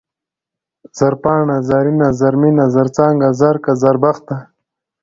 زرپاڼه ، زرينه ، زرمينه ، زرڅانگه ، زرکه ، زربخته